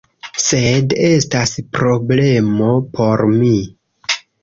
Sed estas problemo por mi.